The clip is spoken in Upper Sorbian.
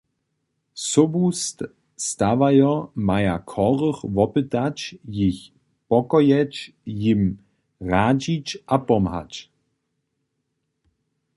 Sobustawojo maja chorych wopytać, jich pokojeć, jim radźić a pomhać.